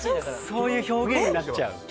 そういう表現になっちゃう。